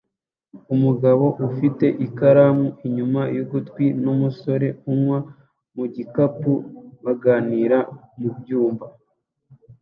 Umugabo ufite ikaramu inyuma yugutwi numusore unywa mugikapu baganira mubyumba